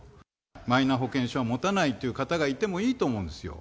マイナ保険証は持たないという方が、いてもいいと思うんですよ。